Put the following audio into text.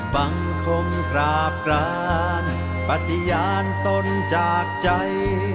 บังคมกราบกรานปฏิญาณตนจากใจ